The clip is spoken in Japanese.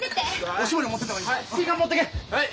おしぼりも持ってった方がいいですよ。